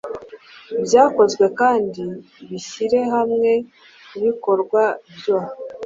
Byakozwe kandi bihyire hamwe kubikorwa byoe